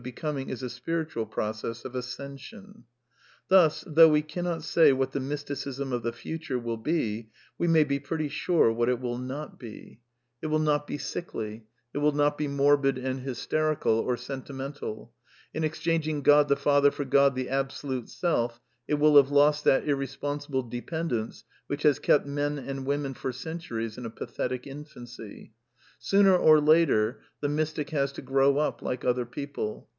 Becaa4ng is a spiritual pcocesa^of ascension. Thus, thougR we^ cannot say what thelffysticisin of the future will be, we may be pretty sure what it will not be. ^ THE NEW MYSTICISM 289 It will not be sickly ; it will not be morbid and hysterical, or sentimentaL In exchanging God the Father for Qt)d the Absolute Self, it will have lost that irresponsible de pendence which has kept men and women for centuries in a pathetic infancy. Sooner or later the mystic has to grow up like other people.